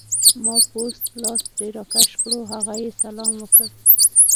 ما پوست لاس ترې راکش کړو، هغه یې سلام وکړ.